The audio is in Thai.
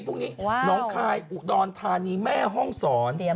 พรุ่งนี้หนองคายอุดรธานีแม่ห้องศร